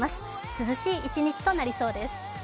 涼しい一日となりそうです。